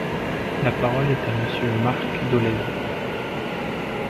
La parole est à Monsieur Marc Dolez.